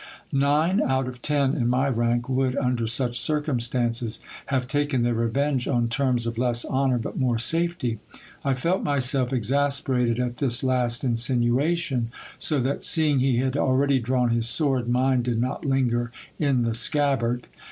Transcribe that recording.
Nine out of ten in my rank would, under such circumstances, have taken their revenge on terms of less honour but more safety. I felt myself exasperated at this last in sinuation, so that, seeing he had already drawn his sword, mine did not linger in the scabbard.